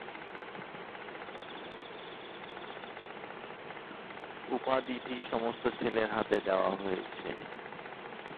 উপাধিটি সমস্ত ছেলের হাতে দেওয়া হয়েছে।